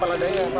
berapa ladanya ma